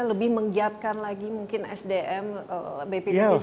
lebih menggiatkan lagi mungkin sdm bpbt juga